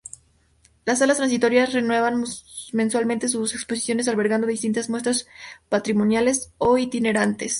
Las salas transitorias renuevan mensualmente sus exposiciones, albergando distintas muestras patrimoniales o itinerantes.